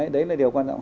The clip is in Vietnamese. đấy là điều quan trọng